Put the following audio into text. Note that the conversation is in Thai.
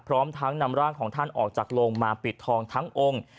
พร้อมทั้งนำร่างของท่านออกจากโลงมาปิดทองทั้งองค์